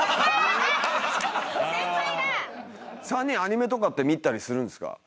３人アニメとかって見たりするんですか？